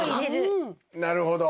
なるほど。